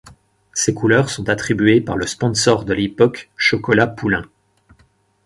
Ses couleurs sont attribuées par le sponsor de l'époque, Chocolat Poulain.